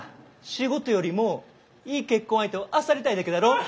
仕事よりもいい結婚相手をあさりたいだけだろ？